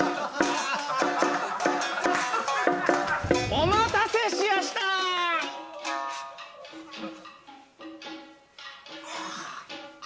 お待たせしやした！ははっ。